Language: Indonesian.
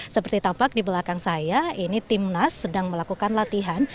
seperti tampak di belakang saya ini timnas sedang melakukan latihan